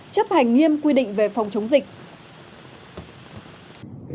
chấp hành nghiêm quy định về phòng chống dịch